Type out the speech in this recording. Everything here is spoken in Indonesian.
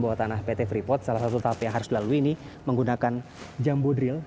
bawah tanah pt freeport salah satu tahap yang harus dilalui ini menggunakan jambu drill